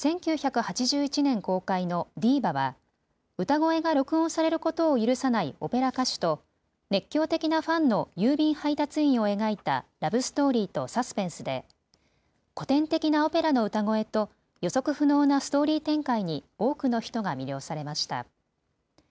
１９８１年公開のディーバは歌声が録音されることを許さないオペラ歌手と熱狂的なファンの郵便配達員を描いたラブストーリーとサスペンスで古典的なオペラの歌声と予測不能なストーリー展開に多くの人が魅了されました。